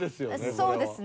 そうですね。